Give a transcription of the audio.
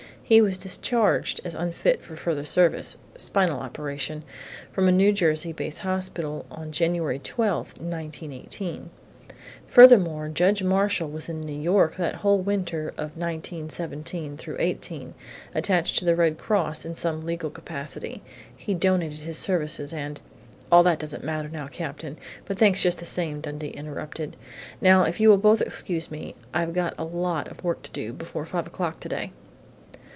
He was discharged as unfit for further service spinal operation from a New Jersey base hospital on January 12, 1918. Furthermore, Judge Marshall was in New York the whole winter of 1917 '18, attached to the Red Cross in some legal capacity. He donated his services and " "All that doesn't matter now, Captain, but thanks just the same," Dundee interrupted. "Now if you will both excuse me, I've got a lot of work to do before five o'clock today!"